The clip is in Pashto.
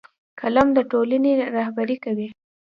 قلم د ټولنې رهبري کوي